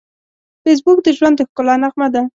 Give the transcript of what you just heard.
فېسبوک د ژوند د ښکلا نغمه ده